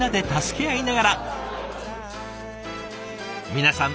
皆さん